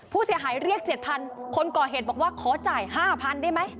ผู้เสียหายเรียก๗๐๐คนก่อเหตุบอกว่าขอจ่าย๕๐๐ได้ไหม